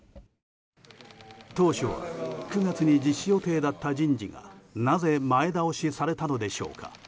当初は９月に実施予定だった人事がなぜ前倒しされたのでしょうか。